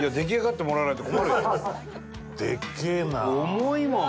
重いもん。